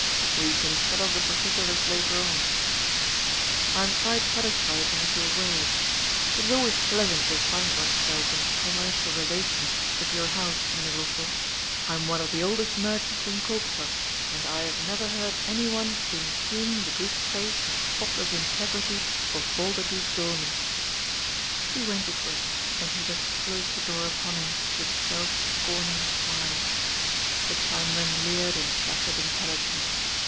" We can settle the particulars later on," he said, " I am quite satisfied to have your word. It is always pleasant to find one's self in commercial rela tions with your house. Mynheer Lossell. I am one of the oldest merchants in Koopstad, and I have never heard any one impugn the good faith and spotless integrity of Voider does Zonen." He went his way, and Hubert closed the door upon him with a self scorning smile. The Chinaman leered in placid intelligence.